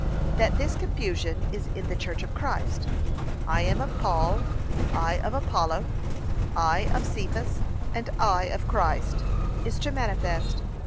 That this confusion is in the church of Christ, I am of Paul, I of Apollos, I of Cephas, and I of Christ, is too manifest.